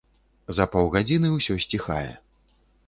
За паўгадзіны ўсё сціхае.